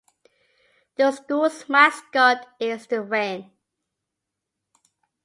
The schools mascot is the wren.